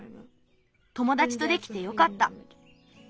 ともだちとできてよかった。